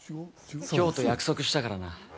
漂と約束したからな。